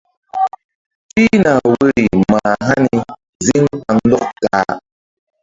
Pihna woyri mah hani zíŋ kpaŋndɔk ta-a.